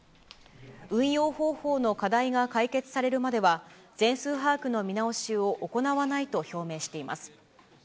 運用方法の課題が解決されるまでは、全数把握の見直しを行わないと表明しています。